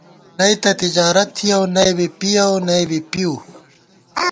نئی تہ تجارَتہ تھِیَؤ ، نئی بی پِیَؤ ، نئی بی پِؤ